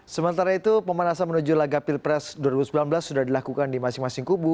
sementara itu pemanasan menuju laga pilpres dua ribu sembilan belas sudah dilakukan di masing masing kubu